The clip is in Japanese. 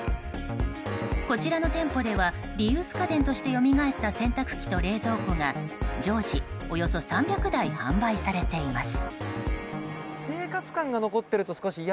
こちらの店舗ではリユース家電としてよみがえった洗濯機と冷蔵庫が常時およそ３００台販売されています。